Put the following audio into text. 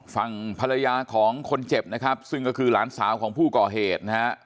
ฝั่งภรรยาของคนเจ็บนะครับซึ่งก็คือหลานสาวของผู้ก่อเหตุนะฮะ